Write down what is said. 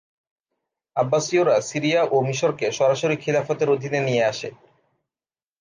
আব্বাসীয়রা Syria ও মিশরকে সরাসরি খিলাফতের অধীনে নিয়ে আসে।